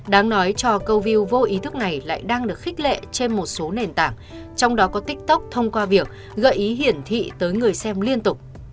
đáng nói cho câu view vô ý thức này lại đang được khích lệ trên một số nền tảng trong đó có tiktok thông qua việc gợi ý hiển thị tới người xem liên tục